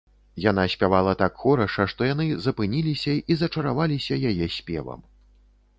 Яна спявала так хораша, што яны запыніліся і зачараваліся яе спевам